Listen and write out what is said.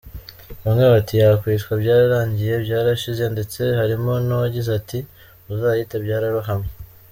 Bamwe bati yakwitwa:Byararangiye, Byarashize ndetse harimo n’uwagize ati:”uzayite Byararohamye!”.